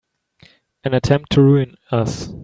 An attempt to ruin us!